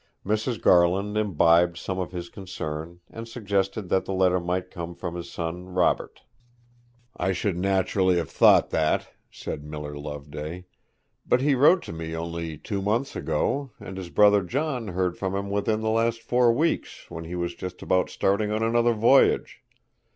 Mrs. Garland imbibed some of his concern, and suggested that the letter might come from his son Robert. 'I should naturally have thought that,' said Miller Loveday; 'but he wrote to me only two months ago, and his brother John heard from him within the last four weeks, when he was just about starting on another voyage.